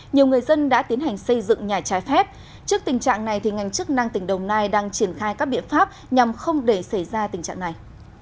nhiều người dân đã tiến hành xây dựng nhà trái phép trước tình trạng này ngành chức năng tỉnh đồng nai đang triển khai các biện pháp nhằm không để xảy ra tình trạng này